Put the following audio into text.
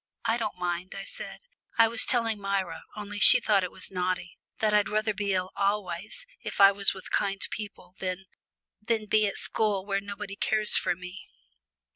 "I don't mind," I said. "I was telling Myra, only she thought it was naughty, that I'd rather be ill always if I was with kind people, than than be at school where nobody cares for me."